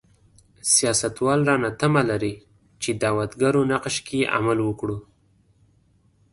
سیاستوال رانه تمه لري چې دعوتګرو نقش کې عمل وکړو.